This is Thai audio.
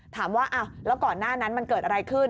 ถามว่าแล้วก่อนหน้านั้นมันเกิดอะไรขึ้น